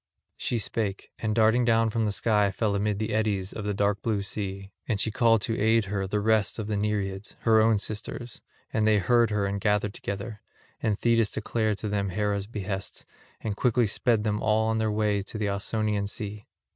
She spake, and darting down from the sky fell amid the eddies of the dark blue sea; and she called to aid her the rest of the Nereids, her own sisters; and they heard her and gathered together; and Thetis declared to them Hera's behests, and quickly sped them all on their way to the Ausonian sea.